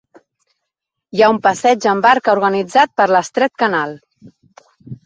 Hi ha un passeig en barca organitzat per l'estret canal.